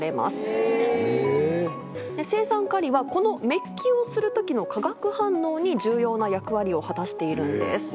青酸カリはめっきをする時の化学反応に重要な役割を果たしているんです。